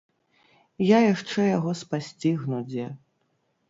Я яшчэ яго спасцігну дзе!